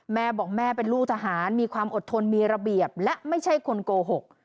แม่บอกแม่เป็นลูกทหารมีความอดทนมีระเบียบและไม่ใช่คนโกหก